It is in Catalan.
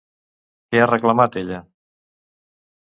Què ha reclamat ella?